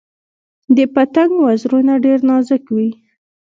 د پتنګ وزرونه ډیر نازک وي